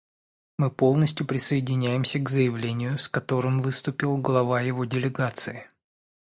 Мы полностью присоединяемся к заявлению, с которым выступил глава его делегации.